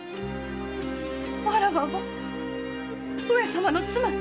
わらわを上様の妻に？